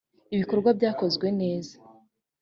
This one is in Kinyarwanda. ibikorwa byakozwe neza.